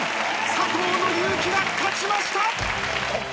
佐藤の勇気が勝ちました！